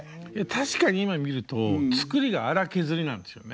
確かに今見ると作りが粗削りなんですよね。